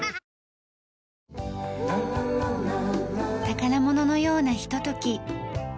宝物のようなひととき。